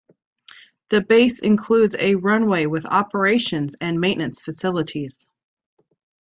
The base includes a runway with operations and maintenance facilities.